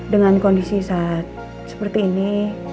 dengan kondisi saat seperti ini